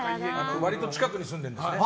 割と近くに住んでるんですね。